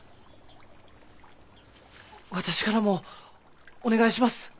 私からもお願いします。